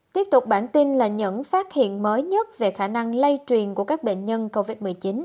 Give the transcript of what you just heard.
tiếp tục bản tin là những phát hiện mới nhất về khả năng lây truyền của các bệnh nhân covid một mươi chín